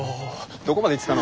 どこまで行ってたの？